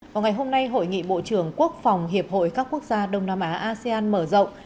vào ngày hôm nay hội nghị bộ trưởng quốc phòng hiệp hội các quốc gia đông nam á asean mở rộng